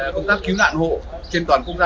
công tác cứu nạn hộ trên toàn quốc gia